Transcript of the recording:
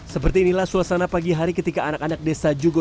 seperti inilah suasana pagi hari ketika anak anak desa jugo